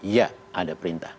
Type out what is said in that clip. ya ada perintah